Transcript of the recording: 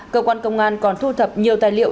cơ quan công an còn thu thập nhiều tài liệu